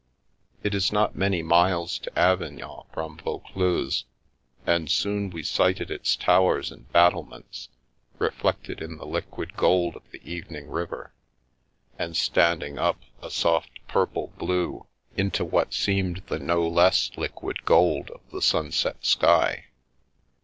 It is not many miles to Avignon from Vaucluse, and soon we sighted its towers and battlements, reflected in the liquid gold of the even ing river, and standing up, a soft purple blue, into what seemed the no less liquid gold of the sunset sky.